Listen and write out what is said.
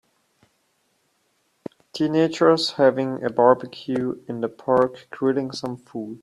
Teenagers having a barbecue in the park grilling some food.